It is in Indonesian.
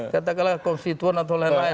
katakanlah konstituen atau lain lain